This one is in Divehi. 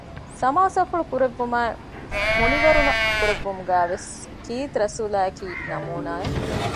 ސަމާސާފުޅު ކުރެއްވުމާއި ހުނިވަރުނަ ކުރެއްވުމުގައި ވެސް ކީރިތިރަސޫލާއަކީ ނަމޫނާއެއް